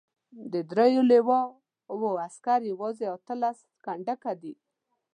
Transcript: د دریو لواوو عسکر یوازې اته لس کنډکه دي.